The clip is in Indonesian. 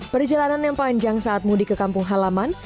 perjalanan yang panjang saat mudik ke kampung halaman